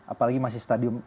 apalagi masih stadium